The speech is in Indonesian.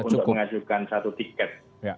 untuk mengajukan satu tiket